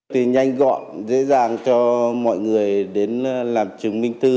từ nhanh gọn dễ dàng cho mọi người đến làm chứng minh thư